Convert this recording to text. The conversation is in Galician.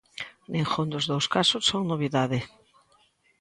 Ningún dos dous casos son novidade.